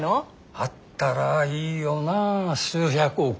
あったらいいよなあ数百億。